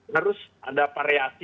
terus ada parealitas